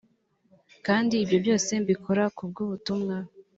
kandi ibyo byose mbikora ku bw ubutumwa